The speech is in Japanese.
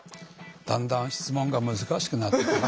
だんだん質問が難しくなってきましたね。